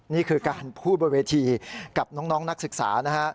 นี่คือการพูดบนเวทีกับน้องนักศึกษานะฮะ